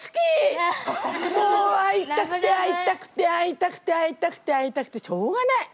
もう会いたくて会いたくて会いたくて会いたくて会いたくてしょうがない。